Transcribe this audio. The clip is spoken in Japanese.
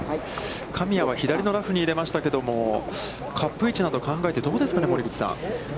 神谷は左のラフに入れましたけども、カップ位置などを考えて、どうですかね、森口さん。